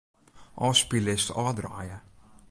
Ofspyllist ôfdraaie.